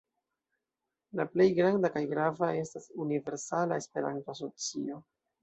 La plej granda kaj grava estas Universala Esperanto-Asocio.